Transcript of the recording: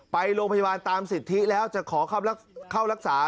ไปโรงพยาบาลตามสิทธิแล้วจะขอเข้ารักษา